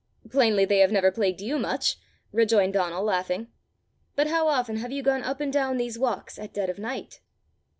"Plainly they have never plagued you much!" rejoined Donal laughing. "But how often have you gone up and down these walks at dead of night?"